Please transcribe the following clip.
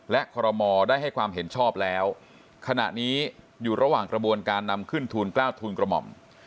และคอรมอลได้ให้ความเห็นชอบแล้วขณะนี้อยู่ระหว่างกระบวนการนำขึ้นทูลกล้าทูลกระหม่อม